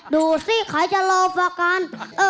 ดูสิใครจะรอประกัน